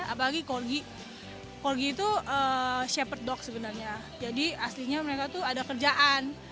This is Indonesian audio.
apalagi kolgi kolgi itu shepherd dog sebenarnya jadi aslinya mereka itu ada kerjaan